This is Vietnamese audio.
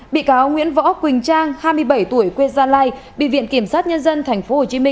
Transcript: bị cáo nguyễn võ quỳnh trang hai mươi bảy tuổi quê gia lai bị viện kiểm sát nhân dân tp hcm